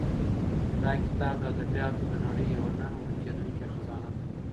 دا کتاب د ادبیاتو د نړۍ یوه نه ورکېدونکې خزانه ده.